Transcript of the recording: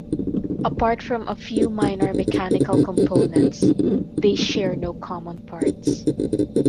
Apart from a few minor mechanical components, they share no common parts.